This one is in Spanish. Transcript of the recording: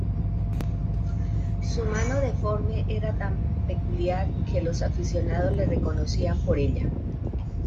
Su mano deforme era tan peculiar, que los aficionados le reconocían por ella.